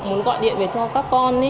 muốn gọi điện về cho các con